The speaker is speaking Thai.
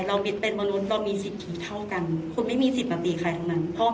เป็นมนุษย์เรามีสิทธิเท่ากันคุณไม่มีสิทธิ์มาตีใครทั้งนั้น